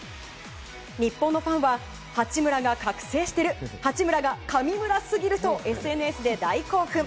日本のファンは八村が覚醒している八村が神村すぎるとＳＮＳで大興奮。